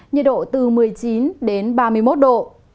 nhiệt độ từ một mươi chín đến ba mươi một độ